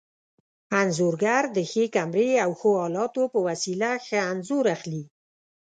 انځورګر د ښې کمرې او ښو الاتو په وسیله ښه انځور اخلي.